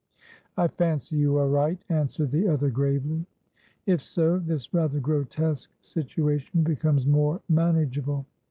"I fancy you are right," answered the other, gravely. "If so, this rather grotesque situation becomes more manageable.